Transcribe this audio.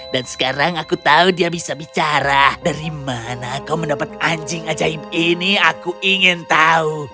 dan sekarang aku tahu dia bisa bicara dari mana kau mendapat anjing ajaib ini aku ingin tahu